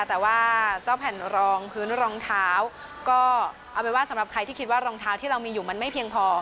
แต่ว่าเจ้าแผ่นรองพื้นรองเท้าก็เอาเป็นว่าสำหรับใครที่คิดว่ารองเท้าที่เรามีอยู่มันไม่เพียงพอ